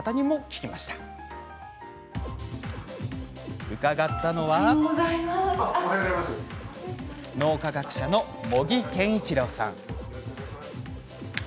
お話を伺ったのは脳科学者の茂木健一郎さん。